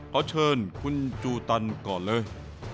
ขอเชิญคุณจูตันก่อนเลย